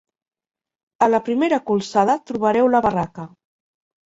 A la primera colzada trobareu la barraca.